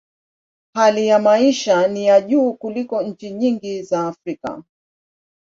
Hali ya maisha ni ya juu kuliko nchi nyingi za Afrika.